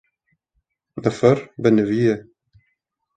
Nifir bi nivî ye